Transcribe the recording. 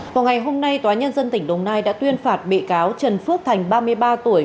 vào ngày hôm nay tòa nhân dân tỉnh đồng nai đã tuyên phạt bị cáo trần phước thành ba mươi ba tuổi